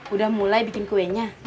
udah mulai bikin kuenya